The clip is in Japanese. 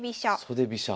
袖飛車。